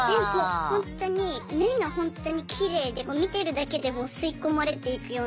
ほんとに目がほんとにきれいで見てるだけでもう吸い込まれていくような。